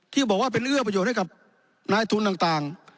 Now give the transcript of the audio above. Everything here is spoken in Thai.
ที่บอกว่าเป็นเอื้อประโยชน์ให้กับนายทุนต่าง